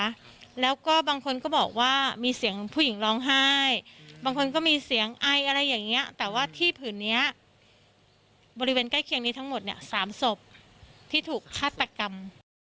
แล้วก็บางคนก็บอกว่ามีเสียงผู้หญิงร้องไห้บางคนก็มีเสียงไออะไรอย่างเงี้ยแต่ว่าที่ผืนเนี้ยบริเวณใกล้เคียงนี้ทั้งหมดเนี่ยสามศพที่ถูกฆาตกรรม